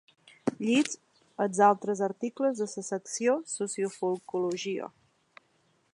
Llig els altres articles de la secció ‘Sociofolcologia’.